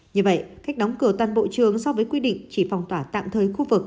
như vậy cách đóng cửa toàn bộ trường so với quy định chỉ phong tỏa tạm thời khu vực